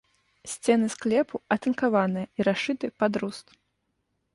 Сцены склепу атынкаваныя і расшыты пад руст.